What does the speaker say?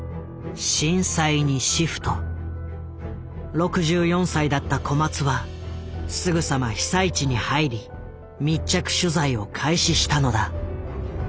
６４歳だった小松はすぐさま被災地に入り密着取材を開始したのだ。